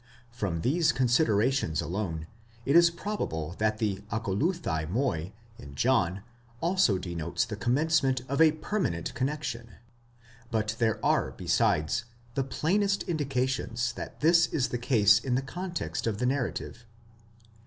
From these: considerations alone it is probable that the ἀκολούθει μοι in John also denotes the commencement of a permanent connexion ; but there are besides the plainest indications that this is the case in the context to the narrative.